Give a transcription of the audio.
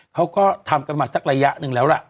เขาก็ทำกันมาสักระยะหนึ่งแล้วล่ะ